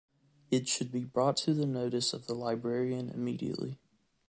It should be brought to the notice of the Librarian immediately.